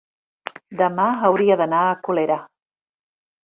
demà hauria d'anar a Colera.